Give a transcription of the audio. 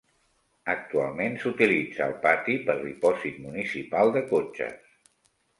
Actualment s'utilitza el pati per dipòsit municipal de cotxes.